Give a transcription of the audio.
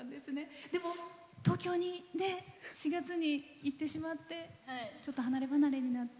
東京に４月に行ってしまってちょっと離れ離れになって。